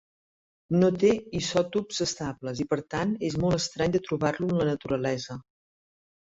No té isòtops estables i, per tant, és molt estrany de trobar-lo en la naturalesa.